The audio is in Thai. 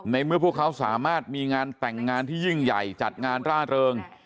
เมื่อพวกเขาสามารถมีงานแต่งงานที่ยิ่งใหญ่จัดงานร่าเริง